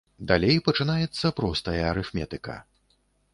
Далей пачынаецца простая арыфметыка!